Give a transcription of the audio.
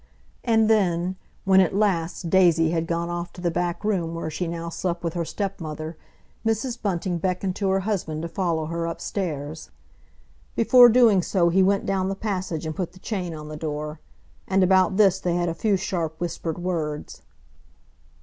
And then, when at last Daisy had gone off to the back room where she now slept with her stepmother, Mrs. Bunting beckoned to her husband to follow her upstairs. Before doing so he went down the passage and put the chain on the door. And about this they had a few sharp whispered words.